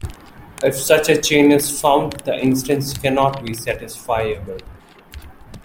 If such a chain is found, the instance cannot be satisfiable.